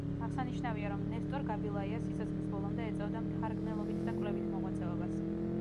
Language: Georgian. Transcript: აღსანიშნავია, რომ ნესტორ გაბილაია სიცოცხლის ბოლომდე ეწეოდა მთარგმნელობით და კვლევით მოღვაწობას.